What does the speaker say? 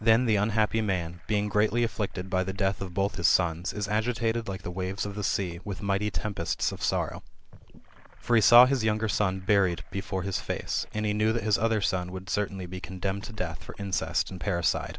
Then the unhappy man, being greatly afflicted by the death of both his sons, is agitated like the waves of the sea, with mighty tempests of sorrow. For he saw his younger son buried before his face, and he knew that his other son would certainly be condemned to death for incest and parri cide.